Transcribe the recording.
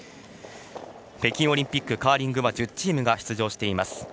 北京オリンピックカーリングは１０チームが出場しています。